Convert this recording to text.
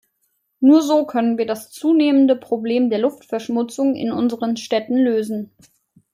Nur so können wir das zunehmende Problem der Luftverschmutzung in unseren Städten lösen.